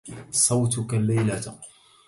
صوتك الليلةَ